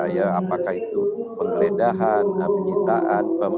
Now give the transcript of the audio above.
ya apakah itu penggeledahan penyitaan